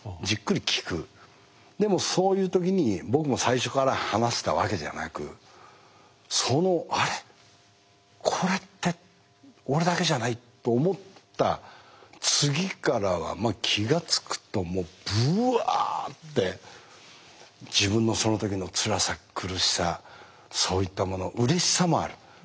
でもそういう時に僕も最初から話せたわけじゃなくそのあれと思った次からは気が付くとぶわって自分のその時のつらさ苦しさそういったものうれしさもある。